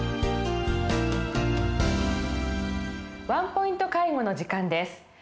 「ワンポイント介護」の時間です。